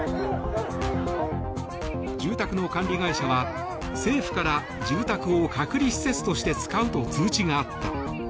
住宅の管理会社は政府から住宅を隔離施設として使うと通知があった。